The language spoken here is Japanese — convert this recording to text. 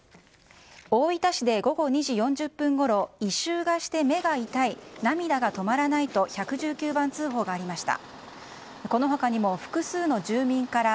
大分市で午後２時４０分ごろ異臭がして目が痛い涙が止まらないと１１９番通報がありました。